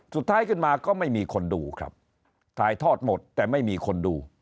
สุดท้ายขึ้นมาก็ไม่มีคนดูครับถ่ายทอดหมดแต่ไม่มีคนดู